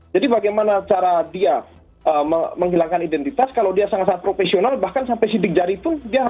jadi bagaimana cara dia menghilangkan identitas kalau dia sangat profesional bahkan sampai sidik jari itu dia akan hilangkan